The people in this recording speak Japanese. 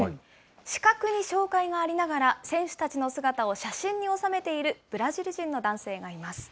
視覚に障害がありながら、選手たちの姿を写真に収めている、ブラジル人の男性がいます。